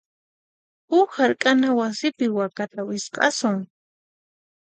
Huk hark'ana wasipi wakata wisq'asun.